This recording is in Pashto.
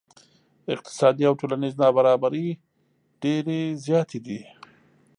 اقتصادي او ټولنیزې نا برابرۍ ډیرې زیاتې دي.